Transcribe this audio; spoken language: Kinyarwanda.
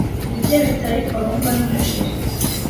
ibiryo bitari kawunga n’umuceli